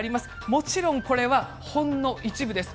もちろんこれはほんの一部です。